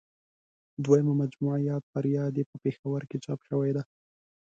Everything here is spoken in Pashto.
دویمه مجموعه یاد فریاد یې په پېښور کې چاپ شوې ده.